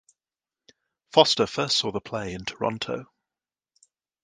Foster first saw the play in Toronto.